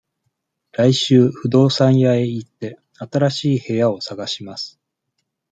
来週、不動産屋へ行って、新しい部屋を探します。